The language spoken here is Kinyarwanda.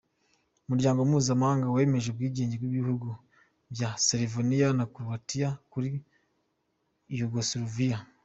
Umuryango mpuzamahanga wemeje ubwigenge bw’ibihugu bya Slovenia na Croatia kuri Yugoslavia.